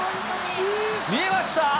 見えました？